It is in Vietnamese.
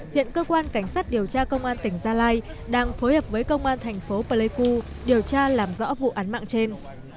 hiện cơ quan cảnh sát điều tra công an tỉnh gia lai đang phối hợp với công an thành phố pleiku điều tra làm rõ vụ án mạng trên